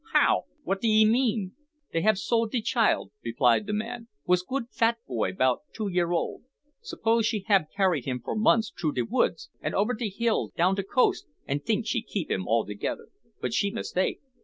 how wot d'ee mean?" "Dey hab sole de chile," replied the man; "was good fat boy, 'bout two yer ole. S'pose she hab carry him for months troo de woods, an' over de hills down to coast, an' tink she keep him altogether. But she mistake.